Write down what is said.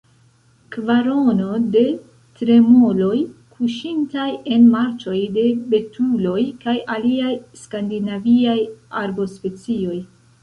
Kvarono – de tremoloj kuŝintaj en marĉoj, de betuloj kaj aliaj skandinaviaj arbospecioj.